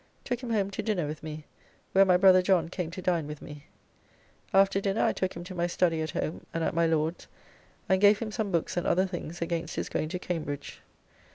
Took him home to dinner with me, where my brother John came to dine with me. After dinner I took him to my study at home and at my Lord's, and gave him some books and other things against his going to Cambridge.